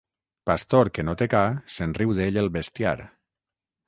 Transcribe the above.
Pastor que no té ca, se'n riu d'ell el bestiar.